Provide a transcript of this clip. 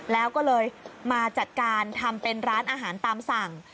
แล้วก็เลยมาจัดการทำเป็นร้านอาหารตามสั่ง